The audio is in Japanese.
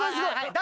誰？